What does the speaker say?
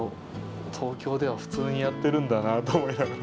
東京では普通にやってるんだなと思いながら。